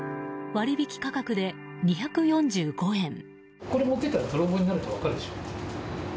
割引価格で２４５円。